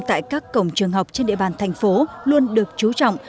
tại các cổng trường học trên địa bàn thành phố luôn được chú trọng